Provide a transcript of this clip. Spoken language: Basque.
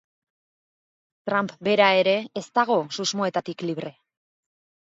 Trump bera ere ez dago susmoetatik libre.